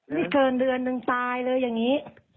ไม่เกินเดือนนึงตายเลยอย่างนี้